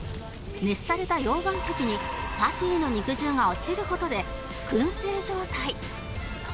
熱された溶岩石にパティの肉汁が落ちる事で燻製状態